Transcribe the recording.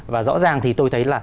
và rõ ràng thì tôi thấy là